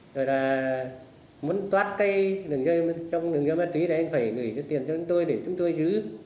rồi là muốn toát cây đường dây trong đường dây ma túy thì anh phải gửi số tiền cho chúng tôi để chúng tôi giữ